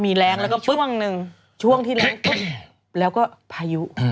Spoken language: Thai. มีแรงแล้วก็ปุ๊บช่วงที่แรงปุ๊บแล้วก็พายุ